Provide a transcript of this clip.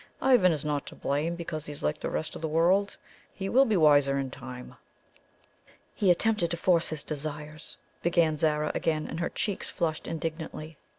Ivan is not to blame because he is like the rest of the world. He will be wiser in time." "He attempted to force his desires," began Zara again, and her cheeks flushed indignantly.